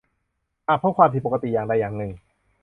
หากพบความผิดปกติอย่างใดอย่างหนึ่ง